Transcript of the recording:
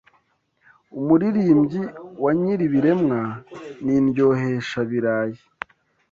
Umuririmbyi wa Nyiribiremwa n’ Indyoheshabirayi